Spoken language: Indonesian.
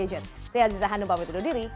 sehat di tahan dan pamit untuk diri